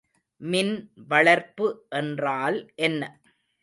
மின் வளர்ப்பு என்றால் என்ன?